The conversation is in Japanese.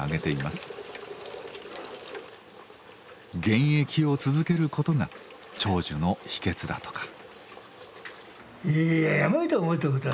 現役を続けることが長寿の秘けつだとか。